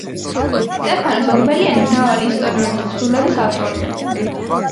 სტეფანოს ორბელიანი მრავალი ისტორიული თხზულების ავტორია.